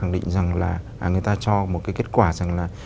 người ta cho một kết quả